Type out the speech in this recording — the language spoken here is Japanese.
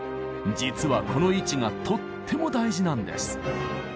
実はこの位置がとっても大事なんです。